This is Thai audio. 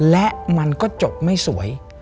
และมันก็จบไม่สวย